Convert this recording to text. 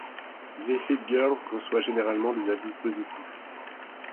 The Hit Girls reçoit généralement des avis positifs.